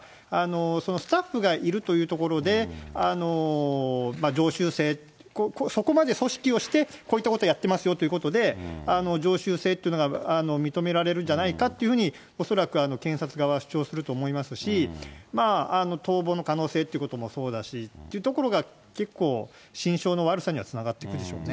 そのスタッフがいるというところで、常習性、そこまで組織をして、こういったことをやってますよということで、常習性っていうのが認められるんじゃないかというふうに、恐らく検察側は主張すると思いますし、逃亡の可能性ということもそうだしっていうところが、結構、心象の悪さにはつながってくるでしょうね。